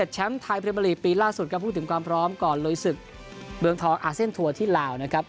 เช้มไทยปริมาลีกปีล่าสุดกับพวกถึงความพร้อมก่อนโรยสึกเบื้องทองที่ลาวนะครับ